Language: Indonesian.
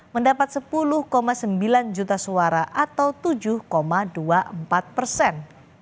mendapat sepuluh sembilan juta suara atau tujuh dua puluh empat persen